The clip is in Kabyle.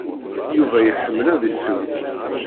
Yuba iḥemmel ad isew.